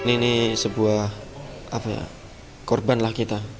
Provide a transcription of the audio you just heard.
ini sebuah korban lah kita